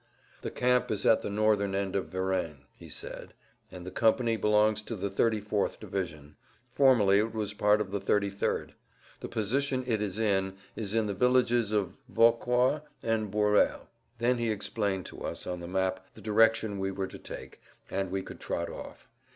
"The camp is at the northern end of Verennes," he said, "and the company belongs to the 34th division; formerly it was part of the 33rd. The position it is in is in the villages of Vauquois and Boureuilles." Then he explained to us on the map the direction we were to take, and we could trot off.